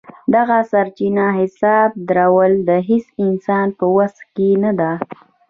دغه سرچپه حساب درول د هېڅ انسان په وس کې نه ده.